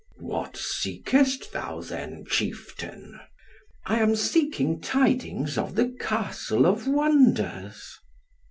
"What seekest thou, then, chieftain?" "I am seeking tidings of the Castle of Wonders."